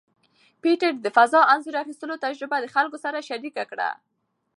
پېټټ د فضا انځور اخیستلو تجربه د خلکو سره شریکه کړه.